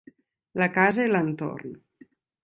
La casa i l'entorn